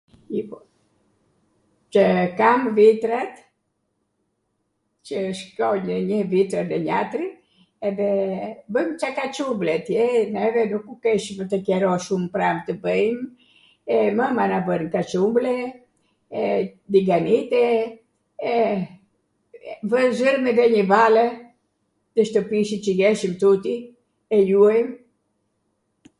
Lipon, Cw kam vitra qw shkoj nw njw vit edhe njatri edhe bwmw ca kaCuble atje, neve nuku keshwm atw qero shumw pram tw bwjm, e mwma na bwri kaCuble, tiganite, e zwrwm edhe njw valle nw shtwpi siCw jeshwm tuti, e ljuajm...